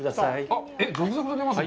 あっ、えっ、続々と出ますね。